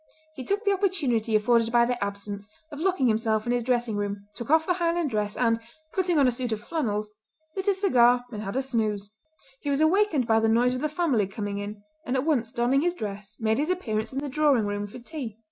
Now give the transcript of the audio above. He took the opportunity afforded by their absence of locking himself in his dressing room, took off the Highland dress, and, putting on a suit of flannels, lit a cigar and had a snooze. He was awakened by the noise of the family coming in, and at once donning his dress made his appearance in the drawing room for tea.